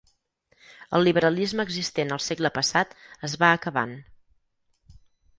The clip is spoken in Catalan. El liberalisme existent al segle passat es va acabant.